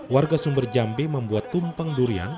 warga sumber jambi membuat tumpeng durian